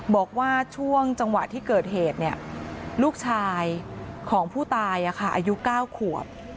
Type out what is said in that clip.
บอกว่าช่วงจังหวะที่เกิดเหตุลูกชายของผู้ตายอายุ๙ขวบ